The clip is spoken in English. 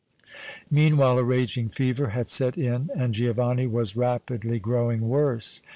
Meanwhile a raging fever had set in and Giovanni was rapidly growing worse.